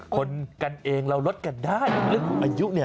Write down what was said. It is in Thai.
คนกันเองเราลดกันได้แล้วอายุเนี่ย